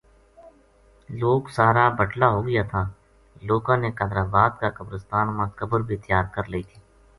لوک سارا بَٹلا ہو گیا تھا لوکاں نے قادرآباد کا قبرستان ما قبر بے تیا ر کر لئی تھی